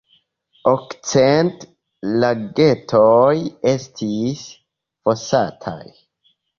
Okcent lagetoj estis fosataj.